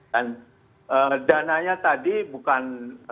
dan dananya tadi bukan